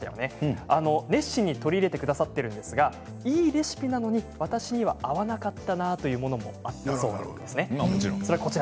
熱心に取り入れてくださっているんですがいいレシピなのに私には合わなかったなというものもあったそうです。